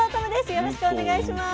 よろしくお願いします。